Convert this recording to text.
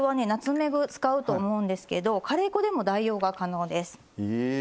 ナツメグを使うと思うんですけどカレー粉でも代用が可能です。